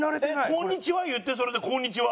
こんにちは言ってそれでこんにちは。